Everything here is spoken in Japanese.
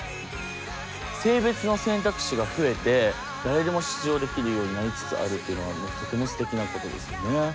性別の選択肢が増えて誰でも出場できるようになりつつあるっていうのはもうとてもすてきなことですよね。